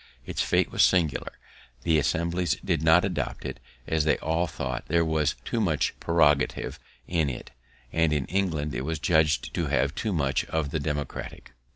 Its fate was singular; the assemblies did not adopt it, as they all thought there was too much prerogative in it, and in England it was judg'd to have too much of the democratic.